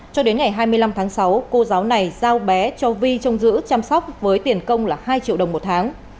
cho đến ngày hai mươi năm tháng sáu cô giáo này giao bé cho vi trông giữ chăm sóc với tiền công là hai triệu đồng một tháng